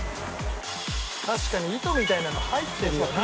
「確かに糸みたいなの入ってるよな」